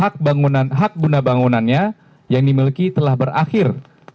karena hak bunda bangunannya yang dimiliki telah berakhir